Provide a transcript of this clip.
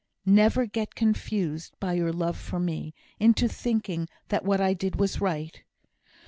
Never get confused, by your love for me, into thinking that what I did was right.